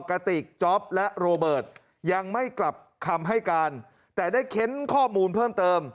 กระติกจ๊อปและโรเบิร์ตยังไม่กลับคำให้การแต่ได้เค้นข้อมูลเพิ่มเติม